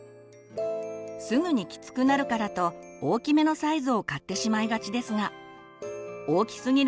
すぐにきつくなるからと大きめのサイズを買ってしまいがちですが大きすぎる